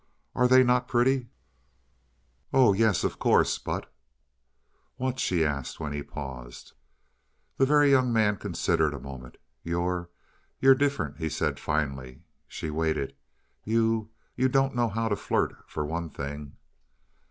Are they not pretty?" "Oh, yes of course; but " "What?" she asked when he paused. The Very Young Man considered a moment. "You're you're different," he said finally. She waited. "You you don't know how to flirt, for one thing."